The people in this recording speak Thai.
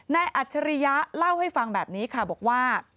อัจฉริยะเล่าให้ฟังแบบนี้ค่ะบอกว่า